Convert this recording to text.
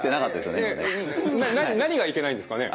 何がいけないんですかね？